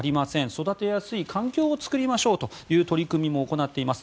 育てやすい環境を作りましょうという取り組みも行っています。